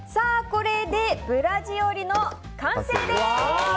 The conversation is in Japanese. これでブラジオリの完成です！